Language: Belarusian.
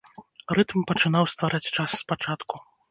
Рытм пачынаў ствараць час спачатку.